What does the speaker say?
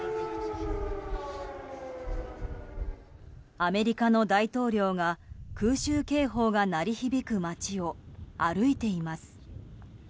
アメリカの大統領が空襲警報が鳴り響く街を歩いています。